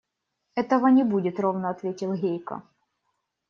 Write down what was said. – Этого не будет, – ровно ответил Гейка.